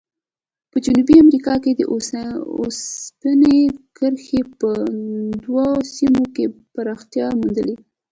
په جنوبي امریکا کې د اوسپنې کرښې په دوو سیمو کې پراختیا موندلې.